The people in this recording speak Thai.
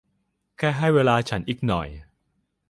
แค่ให้เวลาฉันอีกหน่อย